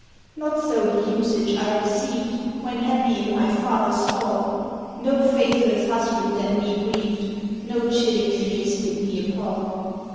"Not so the usage I received When happy in my father's hall; No faithless husband then me grieved, No chilling fears did me appal.